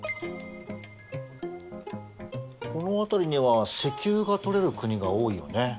この辺りには石油がとれる国が多いよね。